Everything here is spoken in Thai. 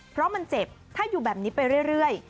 เพราะมันเจ็บถ้าอยู่แบบนี้ไปเรื่อย